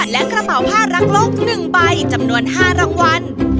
และกระเป๋าผ้ารักโลก๑ใบจำนวน๕รางวัล